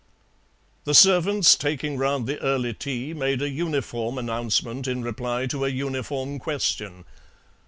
The servants taking round the early tea made a uniform announcement in reply to a uniform question.